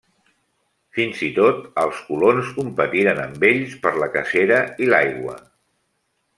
Fins i tot els colons competiren amb ells per la cacera i l'aigua.